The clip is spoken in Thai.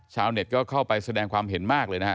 ชาวเน็ตก็เข้าไปแสดงความเห็นมากเลยนะฮะ